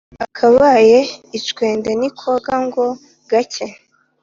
Akabaye icwende ntikoga ngo gake